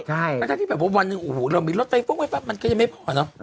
ใช่แล้วถ้าที่แบบว่าวันนึงโอ้โหเรามีรถไปปุ๊บมันก็ยังไม่พอเนอะ